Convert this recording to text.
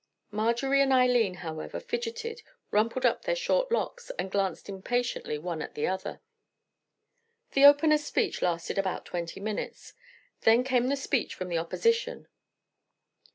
Marjorie and Eileen, however, fidgeted, rumpled up their short locks, and glanced impatiently one at the other. The opener's speech lasted about twenty minutes; then came the speech from the opposition.